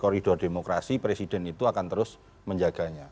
koridor demokrasi presiden itu akan terus menjaganya